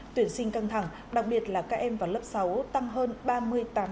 tuyển sinh căng thẳng đặc biệt là các em vào lớp sáu tăng hơn ba mươi tám